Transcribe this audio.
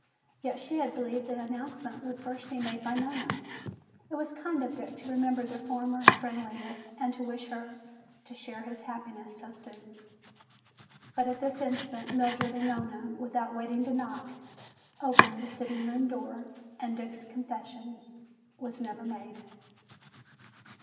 Yet she had believed the announcement would first be made by Nona. It was kind of Dick to remember their former friendliness and to wish her to share his happiness so soon. But at this instant Mildred and Nona, without waiting to knock, opened the sitting room door and Dick's confession was never made.